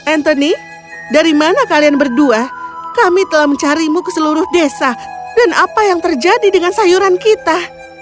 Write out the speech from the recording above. anthony dari mana kalian berdua kami telah mencarimu ke seluruh desa dan apa yang terjadi dengan sayuran kita